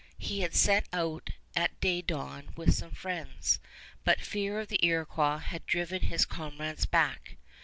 He had set out at day dawn with some friends, but fear of the Iroquois had driven his comrades back.